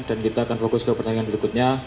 dan kita akan fokus ke pertandingan berikutnya